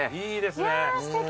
いやすてき。